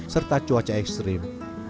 serta cuaca ekstrim